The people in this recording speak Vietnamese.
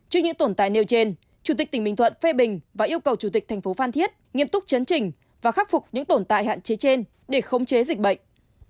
trước những tồn tại nêu trên chủ tịch tỉnh bình thuận phê bình và yêu cầu chủ tịch thành phố phan thiết nghiêm túc chấn trình và khắc phục những tồn tại hạn chế trên để khống chế dịch bệnh